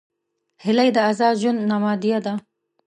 هیلۍ د آزاد ژوند نمادیه ده